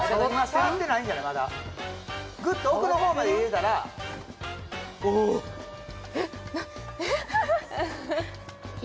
触れてないんじゃないまだグッと奥のほうまで入れたら・おおっ！